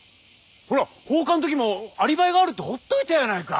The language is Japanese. ほら放火の時もアリバイがあるってほっといたやないか！